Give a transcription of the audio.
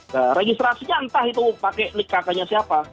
nah registrasinya entah itu pakai nik kk nya siapa